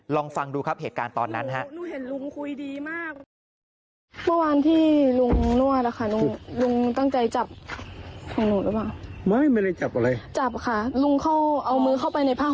ลองฟังดูครับเหตุการณ์ตอนนั้นฮะ